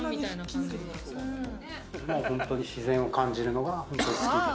もう本当に、自然を感じるのが本当に好きで。